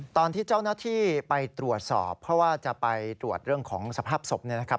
ตอนที่เจ้าหน้าที่ไปตรวจสอบเพราะว่าจะไปตรวจเรื่องของสภาพศพเนี่ยนะครับ